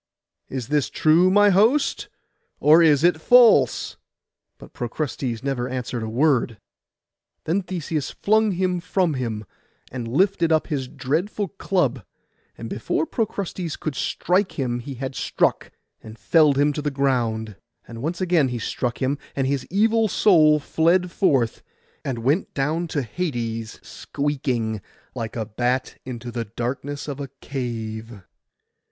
'Is this true, my host, or is it false?' But Procrustes answered never a word. Then Theseus flung him from him, and lifted up his dreadful club; and before Procrustes could strike him he had struck, and felled him to the ground. And once again he struck him; and his evil soul fled forth, and went down to Hades squeaking, like a bat into the darkness of a cave.